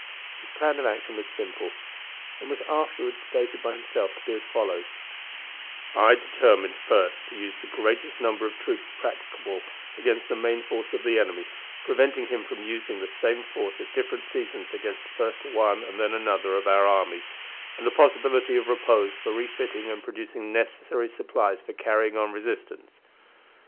His plan of action was simple, and was afterward stated by himself to be as follows: "I determined first to use the greatest number of troops practicable against the main force of the enemy, preventing him from using the same force at different seasons against first one and then another of our armies, and the possibility of repose for refitting and producing necessary supplies for carrying on resistance.